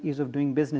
yang melakukan bisnis